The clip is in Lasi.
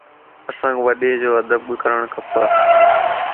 اسانک وڏيءَ جو ادب ڪرڻ کپ